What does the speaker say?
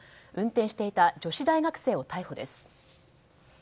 運転していた女子大学生を逮捕です。